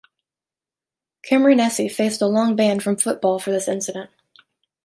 Camoranesi faced a long ban from football for this incident.